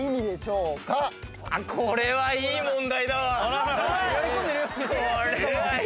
これはいい問題。